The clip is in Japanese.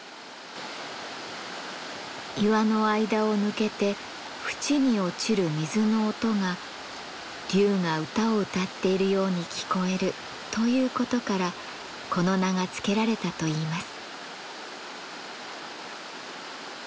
岩の間を抜けて淵に落ちる水の音が「龍が歌を歌っているように聞こえる」ということからこの名が付けられたといいます。